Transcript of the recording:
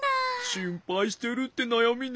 しんぱいしてるってなやみね。